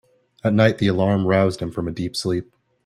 At night the alarm roused him from a deep sleep.